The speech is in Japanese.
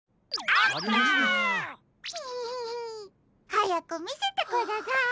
はやくみせてください。ほっ。